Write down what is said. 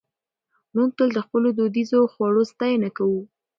موږ تل د خپلو دودیزو خوړو ستاینه کوو.